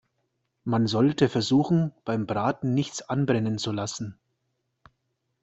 Man sollte versuchen, beim Braten nichts anbrennen zu lassen.